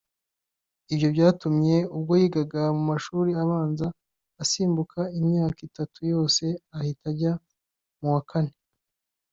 Ibyo byatumye ubwo yigaga mu mashuri abanza asimbuka imyaka itatu yose ahita ajya mu wa kane